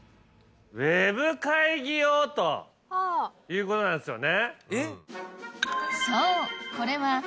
ｗｅｂ会議用ということなんですよね。